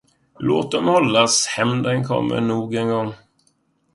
Låt dem hållas, hämnden kommer nog en gång.